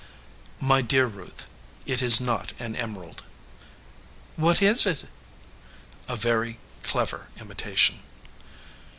"My dear Ruth, it is not an emerald." "What is it?" "A very clever imitation."